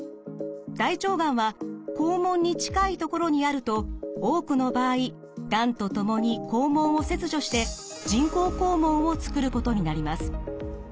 大腸がんは肛門に近い所にあると多くの場合がんと共に肛門を切除して人工肛門を作ることになります。